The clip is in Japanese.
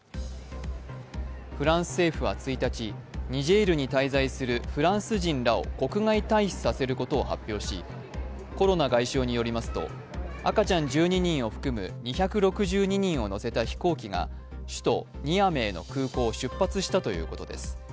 フランス政府は１日、ニジェールに滞在するフランス人らを国外退避されることを発表し、コロナ外相によりますと、赤ちゃん１２人を含む２６２人を乗せた飛行機が首都ニアメーの空港を出発したということです。